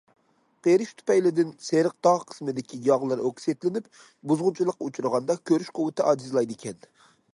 قېرىش تۈپەيلىدىن سېرىق داغ قىسمىدىكى ياغلار ئوكسىدلىنىپ، بۇزغۇنچىلىققا ئۇچرىغاندا، كۆرۈش قۇۋۋىتى ئاجىزلايدىكەن.